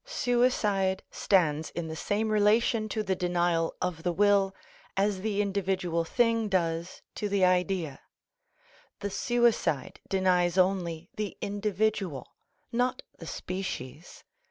Suicide stands in the same relation to the denial of the will as the individual thing does to the Idea. The suicide denies only the individual, not the species.